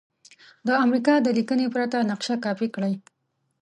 د امریکا د لیکنې پرته نقشه کاپې کړئ.